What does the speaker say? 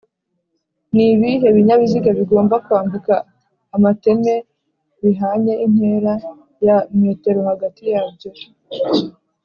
Nibihe binyabiziga bigomba kwambuka amateme bihanye intera ya m hagati yabyo